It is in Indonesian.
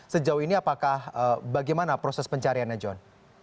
sejauh ini apakah bagaimana proses pencariannya john